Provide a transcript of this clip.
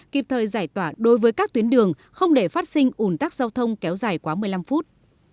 kịp thời giải tỏa đối với các tuyến đường không để phát sinh ủn tắc giao thông kéo dài quá một mươi năm phút